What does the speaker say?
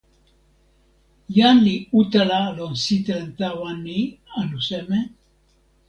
jan li utala lon sitelen tawa ni anu seme?